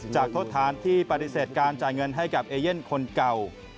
โทษฐานที่ปฏิเสธการจ่ายเงินให้กับเอเย่นคนเก่า